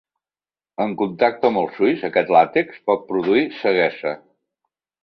En contacte amb els ulls aquest làtex pot produir ceguesa.